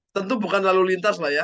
tentu bukan lalu lintas pak ya